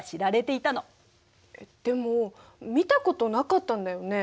でも見たことなかったんだよね。